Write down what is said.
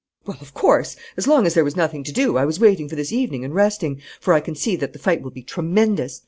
"Well, of course! As long as there was nothing to do I was waiting for this evening and resting, for I can see that the fight will be tremendous.